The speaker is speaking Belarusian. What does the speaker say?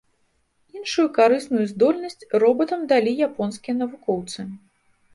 Іншую карысную здольнасць робатам далі японскія навукоўцы.